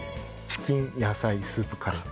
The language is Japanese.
チキン野菜スープカレー